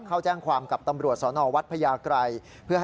เข้าแจ้งความกับตำรวจสนวัดพญาไกร